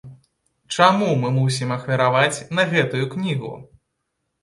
Чаму мы мусім ахвяраваць на гэтую кнігу?